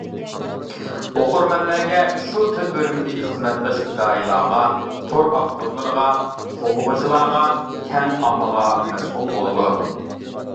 ئوقۇرمەنلەرگە، شۇ تىل بۆلۈمىدىكى خىزمەتداش پىدائىيلارغا، تور ئاپتورلىرىغا، قوللىغۇچىلارغا، كەڭ ئاممىغا مەسئۇل بولىدۇ.